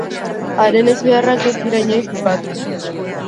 Haren ezbeharrak ez dira inoiz bukatuko.